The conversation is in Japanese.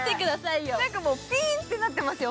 なんか、もうお肌がピーンとなってますよ。